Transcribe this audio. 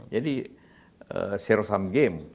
jadi serosam game